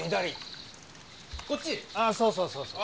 あそうそうそうそう。